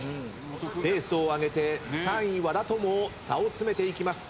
ペースを上げて３位和田とも差を詰めていきます。